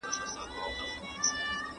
¬ د کوڅې غول گرده عمر پر ليوني تاوان وي.